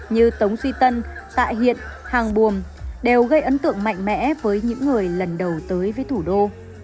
như tống duy tân tạ hiện hàng buồm đều gây ấn tượng mạnh mẽ với những người lần đầu tới với thủ đô